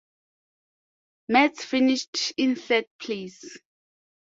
Metz finished in third place.